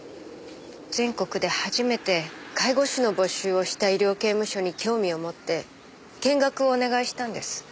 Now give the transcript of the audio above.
全国で初めて介護士の募集をした医療刑務所に興味を持って見学をお願いしたんです。